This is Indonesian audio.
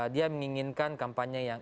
dia menginginkan kampanye yang